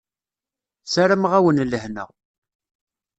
Sarameɣ-awen lehna.